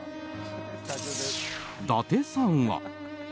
伊達さんは。